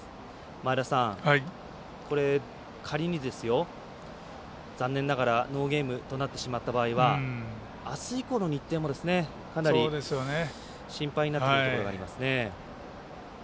前田さん、仮にですよ残念ながらノーゲームとなってしまった場合はあす以降の日程も、かなり心配になってくるところがありますね。